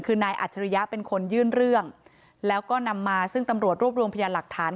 คือนายอัจฉริยะเป็นคนยื่นเรื่องแล้วก็นำมาซึ่งตำรวจรวบรวมพยานหลักฐาน